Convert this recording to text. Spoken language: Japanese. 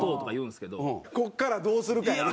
ここからどうするかやな。